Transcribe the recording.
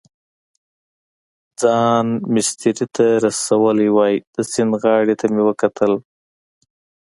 ځان مېسترې ته رسولی وای، د سیند غاړې ته مې وکتل.